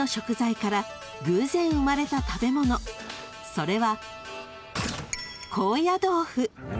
［それは］